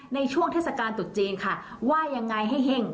ในช่วงเทศกาลตุดจีนค่ะว่ายังไงให้เฮ่ง